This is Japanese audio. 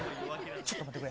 ちょっと待ってくれ。